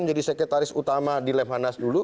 menjadi sekretaris utama di lemhanas dulu